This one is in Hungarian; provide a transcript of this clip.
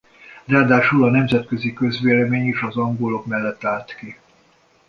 Ráadásul a nemzetközi közvélemény is az angolok mellett állt ki.